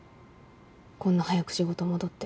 こんな早く仕事戻って。